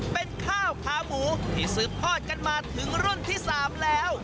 เป็นข้าวขาหมูที่สืบทอดกันมาถึงรุ่นที่๓แล้ว